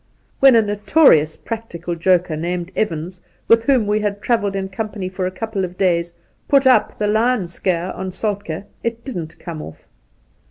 When a notorious practical joker named Evans, with whom we travelled in company for a couple of days, ' put up ' the lion scare on Soltke, it didn't come off.